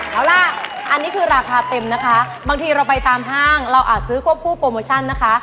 เอาล่ะอันนี้คือราคาเต็มนะคะบางทีเราไปตามห้างเราอาจซื้อควบคู่โปรโมชั่นนะคะ